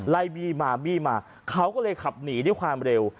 บี้มาบี้มาเขาก็เลยขับหนีด้วยความเร็ว